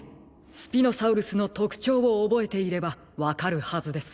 スピノサウルスのとくちょうをおぼえていればわかるはずです。